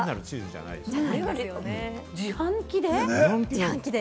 自販機で？